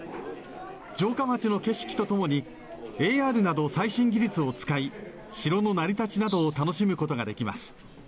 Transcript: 城下町の景色とともにＡＲなど最新技術を使い城の成り立ちなどを楽しむことができます。